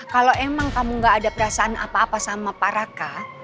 kalau emang kamu gak ada perasaan apa apa sama paraka